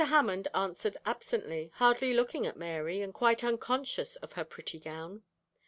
Hammond answered absently, hardly looking at Mary, and quite unconscious of her pretty gown.